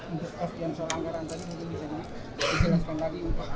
anggaran tadi mungkin bisa diperjelaskan lagi